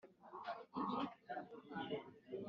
korowani yemereye abagabo gushaka abagore benshi